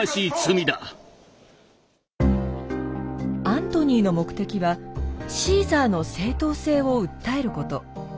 アントニーの目的はシーザーの正当性を訴えること。